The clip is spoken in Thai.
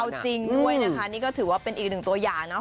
เอาจริงด้วยนะคะนี่ก็ถือว่าเป็นอีกหนึ่งตัวอย่างเนาะ